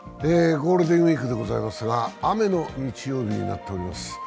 ゴールデンウイークでございますが、雨の日曜日になっております。